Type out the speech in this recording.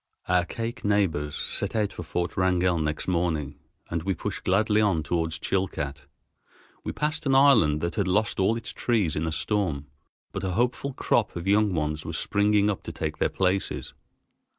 Our Kake neighbors set out for Fort Wrangell next morning, and we pushed gladly on toward Chilcat. We passed an island that had lost all its trees in a storm, but a hopeful crop of young ones was springing up to take their places.